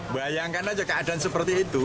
bayangkan aja keadaan seperti itu